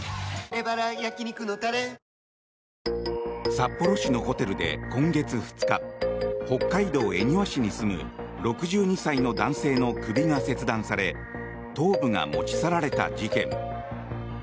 札幌市のホテルで今月２日北海道恵庭市に住む６２歳の男性の首が切断され頭部が持ち去られた事件。